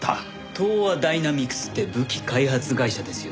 東亜ダイナミクスって武器開発会社ですよね？